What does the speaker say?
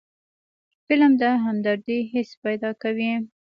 فلم د همدردۍ حس پیدا کوي